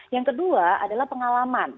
yang kedua adalah pengalaman